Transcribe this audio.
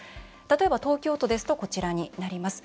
例えば東京都ですとこちらになります。